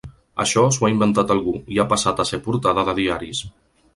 Això s’ho ha inventat algú, i ha passat a ser portada de diaris.